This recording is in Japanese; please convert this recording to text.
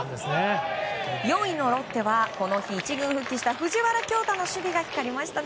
４位のロッテはこの日１軍復帰した藤原恭大の守備が光りましたね